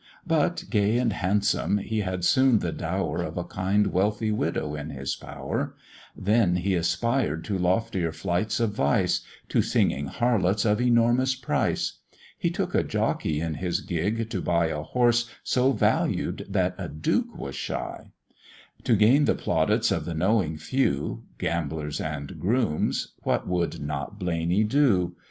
But, gay and handsome, he had soon the dower Of a kind wealthy widow in his power: Then he aspired to loftier flights of vice, To singing harlots of enormous price: He took a jockey in his gig to buy A horse so valued that a duke was shy: To gain the plaudits of the knowing few, Gamblers and grooms, what would not Blaney do?